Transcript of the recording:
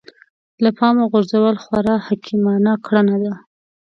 له پامه غورځول خورا حکيمانه کړنه ده.